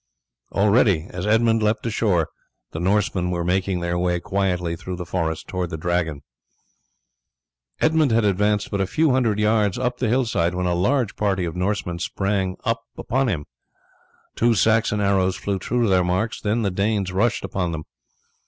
Already, as Edmund leapt ashore, the Norsemen were making their way quietly through the forest towards the Dragon. Edmund had advanced but a few hundred yards up the hillside when a large party of Norsemen suddenly sprang upon him. Two Saxon arrows flew true to their marks, then the Danes rushed upon them.